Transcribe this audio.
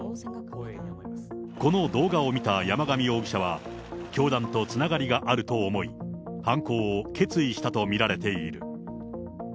この動画を見た山上容疑者は、教団とつながりがあると思い、犯行を決意したと見られている。